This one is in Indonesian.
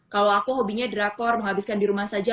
kalau aku hobinya drakor menghabiskan di rumah saja